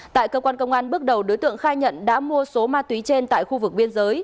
tại cơ quan công an bước đầu đối tượng khai nhận đã mua số ma túy trên tại khu vực biên giới